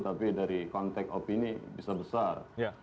tapi dari konteks opini bisa besar